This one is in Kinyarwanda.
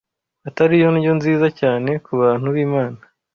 atari yo ndyo nziza cyane ku bantu b’Imana